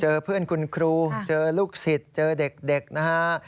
เพื่อนคุณครูเจอลูกศิษย์เจอเด็กนะฮะ